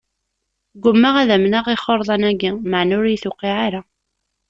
Gummaɣ ad amneɣ ixurḍan-aki, maɛna ur iyi-tuqiɛ ara.